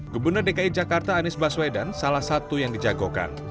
gubernur dki jakarta anies baswedan salah satu yang dijagokan